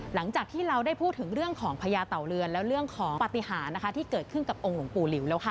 หลังจากที่เราได้พูดถึงเรื่องของพญาเต่าเรือนแล้วเรื่องของปฏิหารนะคะที่เกิดขึ้นกับองค์หลวงปู่หลิวแล้วค่ะ